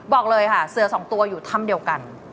บอกเลยค่ะเสือสองตัวอยู่ถ้ำเดียวกัน